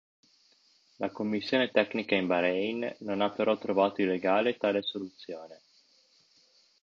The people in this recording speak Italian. La commissione tecnica in Bahrain non ha però trovato illegale tale soluzione.